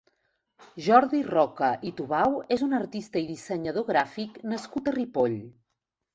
Jordi Roca i Tubau és un artista i dissenyador gràfic nascut a Ripoll.